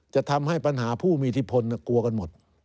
จะทำให้ปัญหาผู้มีอิทธิพลกลัวกันหมด